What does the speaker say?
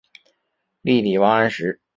力抵王安石。